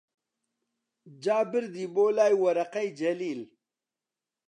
جا بردی بۆلای وەرەقەی جەلیل